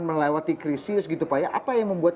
melewati krisis apa yang membuat